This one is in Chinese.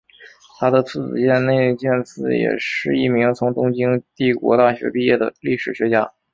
他的次子箭内健次也是一名从东京帝国大学毕业的历史学家。